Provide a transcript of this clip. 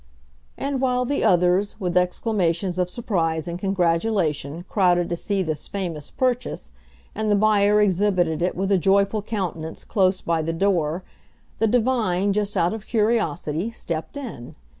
And while the others, with exclamations of surprise and congratulation, crowded to see this famous purchase, and the buyer exhibited it with a joyful countenance close by the door, the divine, just out of curiosity, stepped in.